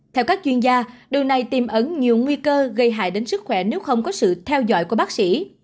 theo các chuyên gia điều này tìm ẩn nhiều nguy cơ gây hại đến sức khỏe nếu không có sự theo dõi của bác sĩ